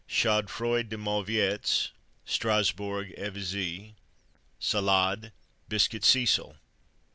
Chaudfroid de Mauviettes. Strasbourg evisie. Salade. Biscuit Cecil.